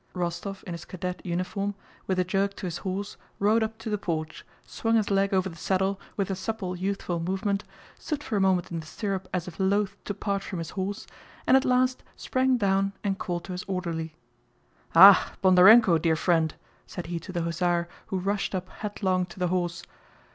Rostóv in his cadet uniform, with a jerk to his horse, rode up to the porch, swung his leg over the saddle with a supple youthful movement, stood for a moment in the stirrup as if loathe to part from his horse, and at last sprang down and called to his orderly. "Ah, Bondarénko, dear friend!" said he to the hussar who rushed up headlong to the horse.